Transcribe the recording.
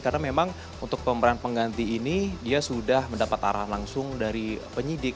karena memang untuk pemeran pengganti ini dia sudah mendapat arahan langsung dari penyidik